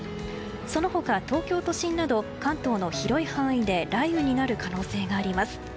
その他、東京都心など関東の広い範囲で雷雨になる可能性があります。